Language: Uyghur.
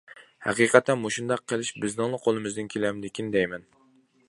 ھەقىقەتەن مۇشۇنداق قىلىش بىزنىڭلا قولىمىزدىن كېلەمدىكىن دەيمەن.